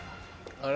あれ？